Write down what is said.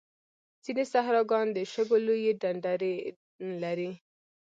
ځینې صحراګان د شګو لویې ډنډرې لري.